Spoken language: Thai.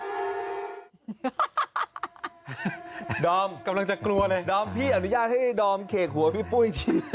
ดอมกำลังจะกลัวเลยดอมพี่อนุญาตให้ดอมเขกหัวพี่ปุ้ยที